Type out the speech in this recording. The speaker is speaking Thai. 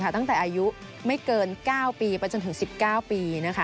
ตั้งแต่อายุไม่เกิน๙ปีไปจนถึง๑๙ปี